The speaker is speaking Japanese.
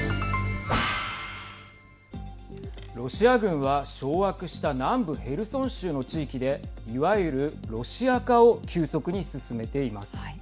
ロシア軍は掌握した南部ヘルソン州の地域でいわゆるロシア化を急速に進めています。